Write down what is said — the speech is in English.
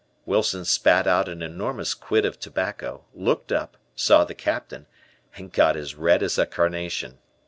Wilson spat out an enormous quid of tobacco, looked up, saw the Captain, and got as red as a carnation.